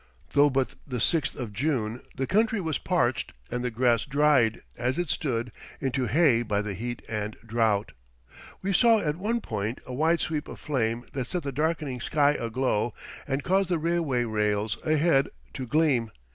Though but the 6th of June, the country was parched, and the grass dried, as it stood, into hay by the heat and drought. We saw at one point a wide sweep of flame that set the darkening sky aglow and caused the railway rails ahead to gleam.